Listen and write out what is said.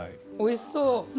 おいしそう。